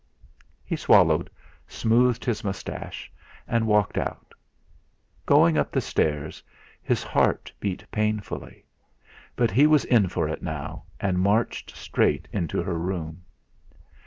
He swallowed, smoothed his moustache, and walked out. Going up the stairs, his heart beat painfully; but he was in for it now, and marched straight into her room.